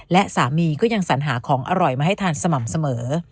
และสามีก็ยังสัญหาของอร่อยมาให้ทานสม่ำเสมอ